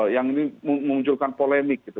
yang ini memunculkan polemik gitu